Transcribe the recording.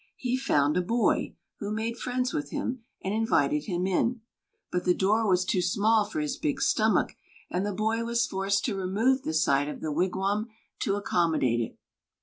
He found a boy, who made friends with him and invited him in; but the door was too small for his big stomach, and the boy was forced to remove the side of the wigwam to accommodate it.